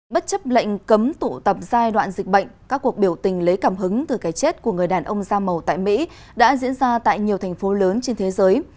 bất chấp lệnh cấm tụ tập giai đoạn dịch bệnh các cuộc biểu tình lấy cảm hứng từ cái chết của người đàn ông da màu tại mỹ đã diễn ra tại nhiều thành phố lớn trên thế giới